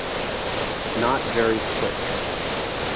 Not very Quick.